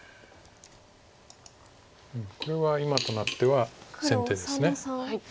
これは今となっては先手です。